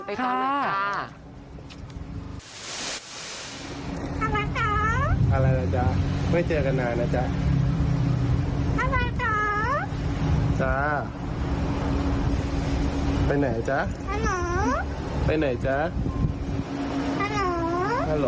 ไปก่อนเลยค่ะ